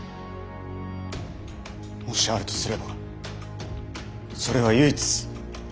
もしあるとすればそれは唯一。